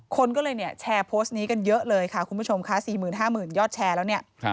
คนก็เลยเนี่ยแชร์โพสต์นี้กันเยอะเลยค่ะคุณผู้ชมค่ะ๔๕๐๐๐ยอดแชร์แล้วเนี่ย